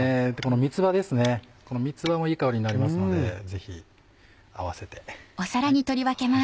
三つ葉もいい香りになりますのでぜひ併せて。